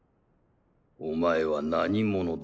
お前は何者だ？